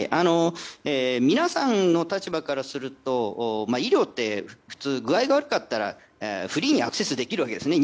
皆さんの立場からすると医療って普通、具合が悪かったらフリーにアクセスできるわけですね。